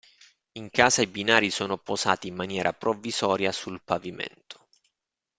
In casa i binari sono posati in maniera provvisoria sul pavimento.